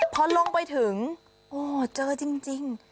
พอลงไปถึงโอ้เจอจริง